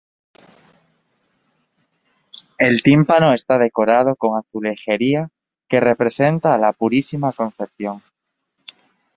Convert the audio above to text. El tímpano está decorado con azulejería que representa a la Purísima Concepción.